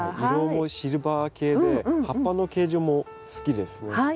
色もシルバー系で葉っぱの形状も好きですね。